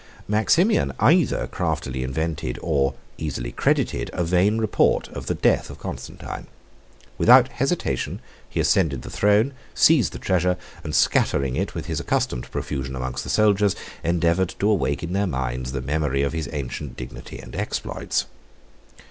Maximian either craftily invented, or easily credited, a vain report of the death of Constantine. Without hesitation he ascended the throne, seized the treasure, and scattering it with his accustomed profusion among the soldiers, endeavored to awake in their minds the memory of his ancient dignity and exploits.